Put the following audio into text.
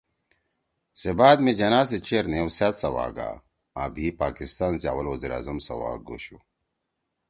سے بعد می جناح سی چیر نھیؤ سأت سوا گا آں بھی پاکستان سی اوَل وزیر اعظم سوا گوشُو